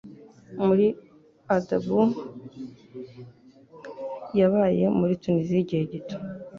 muri ADB yabaye muri Tuniziya igihe gito